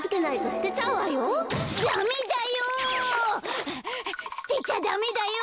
すてちゃダメだよ！